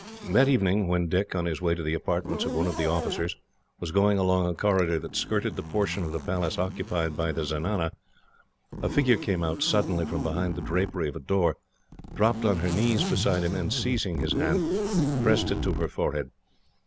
That evening when Dick, on his way to the apartments of one of the officers, was going along a corridor that skirted the portion of the Palace occupied by the zenana; a figure came out suddenly from behind the drapery of a door, dropped on her knees beside him, and, seizing his hand, pressed it to her forehead.